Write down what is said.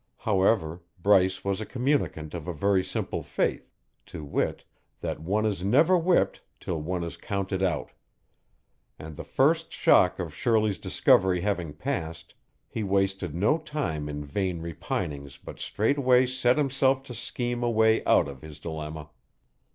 However, Bryce was a communicant of a very simple faith to wit, that one is never whipped till one is counted out, and the first shock of Shirley's discovery having passed, he wasted no time in vain repinings but straightway set himself to scheme a way out of his dilemma.